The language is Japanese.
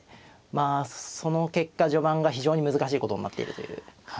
まあその結果序盤が非常に難しいことになってるという感じですね。